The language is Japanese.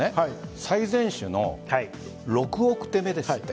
最善手の６億手目ですって。